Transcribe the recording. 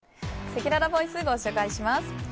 せきららボイスご紹介します。